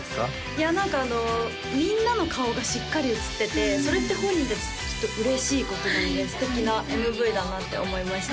いや何かみんなの顔がしっかり映っててそれって本人達きっと嬉しいことなので素敵なＭＶだなって思いました